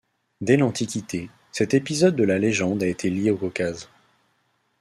Dès l'Antiquité, cet épisode de la légende a été lié au Caucase.